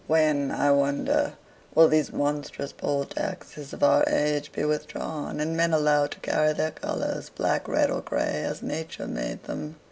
When, I wonder, will these monstrous poll taxes of our age be withdrawn, and men allowed to carry their colors, black, red, or gray, as Nature made them?)